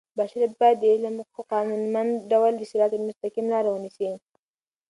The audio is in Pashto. بشریت باید د علم په قانونمند ډول د صراط المستقیم لار ونیسي.